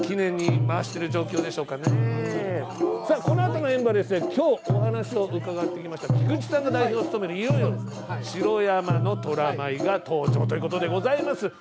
このあとの演舞はきょうお話を伺ってきました菊池さんが代表を務めるいよいよ、城山の虎舞が登場ということでございます。